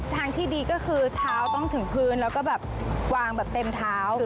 ทางที่ดีก็คือเท้าต้องถึงพื้นแล้วก็แบบวางแบบเต็มเท้า